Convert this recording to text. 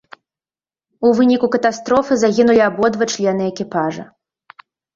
У выніку катастрофы загінулі абодва члены экіпажа.